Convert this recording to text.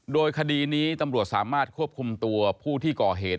โดยคดีนี้ตำรวจสามารถควบคุมตัวผู้ที่ก่อเหตุ